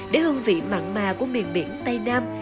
để hương vị mặn mà của miền biển tây nam